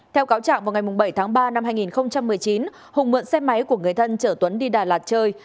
theo cáo trạng vào ngày bảy tháng ba năm hai nghìn một mươi chín hùng mượn xe máy của người thân chở tuấn đi đà lạt chơi